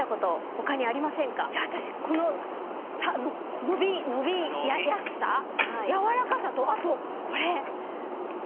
いや私このさ伸びやすさ柔らかさとあとこれ。